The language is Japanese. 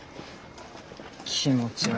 気持ち悪い。